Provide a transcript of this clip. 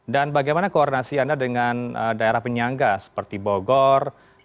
dan bagaimana koordinasi anda dengan daerah penyangga seperti bogor